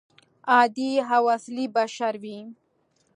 عادي او اصلي بشر وي.